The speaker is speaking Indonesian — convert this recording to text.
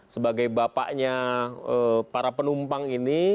sebagai bapaknya para penumpang ini